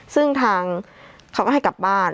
ซึ่งทางเขาก็ให้กลับบ้าน